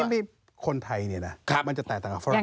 พี่พีชมีคนไทยเนี่ยนะมันจะแตกต่างกับฝรั่งเนี่ย